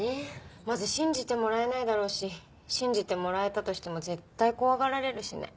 まず信じてもらえないだろうし信じてもらえたとしても絶対怖がられるしね。